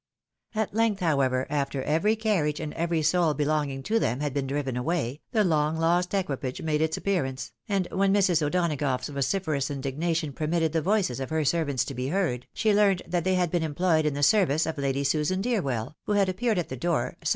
At length, however, after every carriage apd every soul belonging to them had been driven away, the long lost equi page made its appearance ; and when Mrs. O'Donagough's vociferous indignation permitted the voices of her servants to be heard, she learnt that they had been employed in the service of Lady Susan Deerwell, who had appeared at the door, sum PROSPECTIVE KEVENGK.